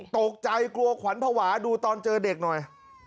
ตกใจกลัวขวัญภาวะดูตอนเจอเด็กหน่อย